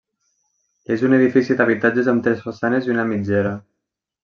És un edifici d'habitatges amb tres façanes i una mitgera.